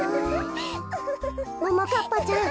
ももかっぱちゃん